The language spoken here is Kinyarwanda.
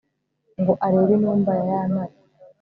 ngo arebe intumbi ya ya ntare